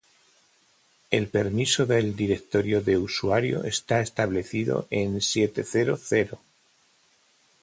el permiso del directorio de usuario está establecido en siete cero cero